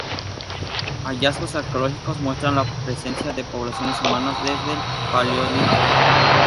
Hallazgos arqueológicos muestran la presencia de poblaciones humanas desde el Paleolítico.